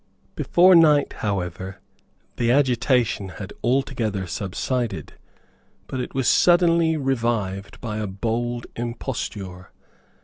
Before night, however, the agitation had altogether subsided; but it was suddenly revived by a bold imposture.